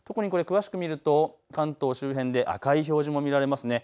特に詳しく見ると関東周辺で赤い表示も見られます。